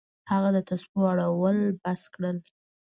هغه د تسبو اړول بس کړل.